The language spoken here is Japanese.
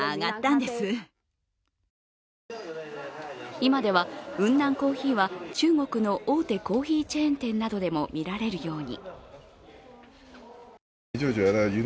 今では雲南コーヒーは中国の大手コーヒーチーェン店などでも見られるように。